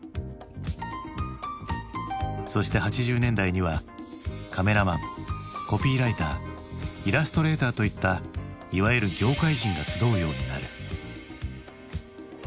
そして８０年代にはカメラマンコピーライターイラストレーターといったいわゆる「ギョーカイ人」が集うようになる。